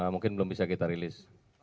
mungkin belum bisa kita rilis